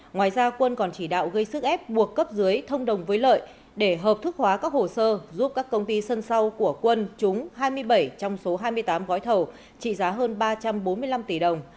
ngoài ra quân còn chỉ đạo gây sức ép buộc cấp dưới thông đồng với lợi để hợp thức hóa các hồ sơ giúp các công ty sân sau của quân trúng hai mươi bảy trong số hai mươi tám gói thầu trị giá hơn ba trăm bốn mươi năm tỷ đồng